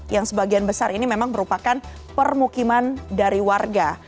yang sebagian besar ini memang merupakan permukiman dari warga